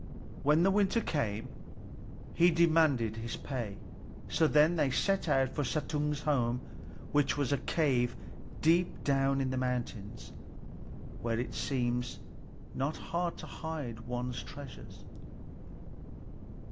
When the winter came, he demanded his pay. So then they set out for Suttung's home, which was a cave deep down in the mountains, where it seems not hard to hide one's treasures.